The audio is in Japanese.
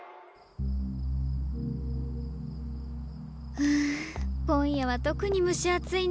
ふう今夜は特に蒸し暑いな。